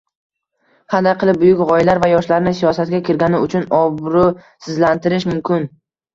Qanday qilib buyuk g'oyalar va yoshlarni siyosatga kirgani uchun obro'sizlantirish mumkin?